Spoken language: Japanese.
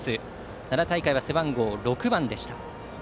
奈良大会は背番号６番でした。